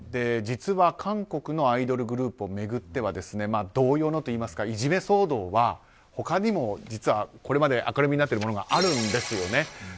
実は韓国のアイドルグループを巡っては同様のといいますかいじめ騒動は他にも実はこれまでに明るみになっているものがあるんですね。